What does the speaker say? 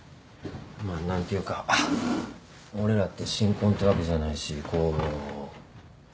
まあ何ていうか俺らって新婚ってわけじゃないしこう。